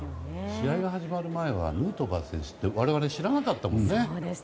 試合が始まる前はヌートバー選手って我々、知らなかったもんね。